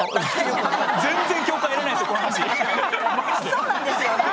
そうなんですよ。